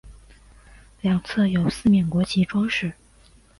两侧有四面国旗装饰。